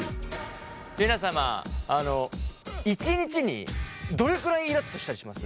皆様１日にどれくらいイラっとしたりします？